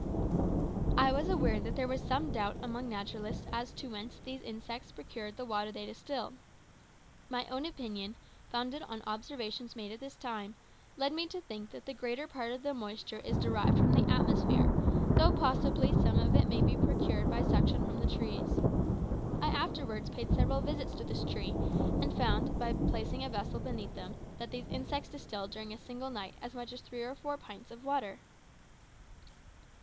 I was aware that there was some doubt among naturalists as to whence these insects procured the water they distilled. My own opinion, founded on observations made at this time, led me to think the greater part of the moisture is derived from the atmosphere, though, possibly, some of it may be procured by suction from the trees. I afterwards paid several visits to this tree, and found, by placing a vessel beneath them, that these insects distilled during a single night as much as three or four pints of water!